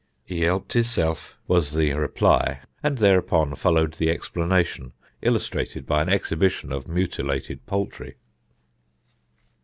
"He helped hisself," was the reply; and thereupon followed the explanation, illustrated by an exhibition of mutilated poultry.